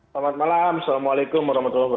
selamat malam assalamualaikum wr wb